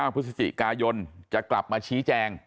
พฤศจิกายนจะกลับมาชี้แจง